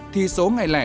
thì số ngày lẻ